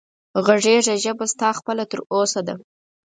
غږېږه ژبه ستا خپله تر اوسه ده